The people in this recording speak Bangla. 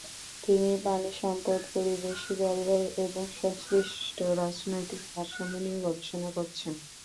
তিনি পানিসম্পদ, পরিবেশ, জলবায়ু এবং সংশ্লিষ্ট রাজনৈতিক ভারসাম্য নিয়ে গবেষণা করছেন।